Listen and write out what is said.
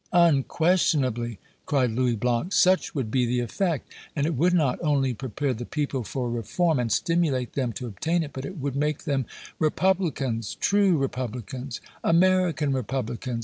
"Unquestionably," cried Louis Blanc, "such would be the effect; and it would not only prepare the people for reform, and stimulate them to obtain it, but it would make them Republicans true Republicans American Republicans!